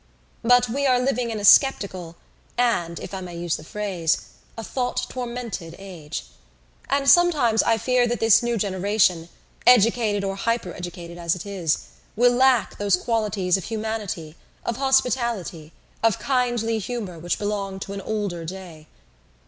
But we are living in a sceptical and, if I may use the phrase, a thought tormented age: and sometimes I fear that this new generation, educated or hypereducated as it is, will lack those qualities of humanity, of hospitality, of kindly humour which belonged to an older day.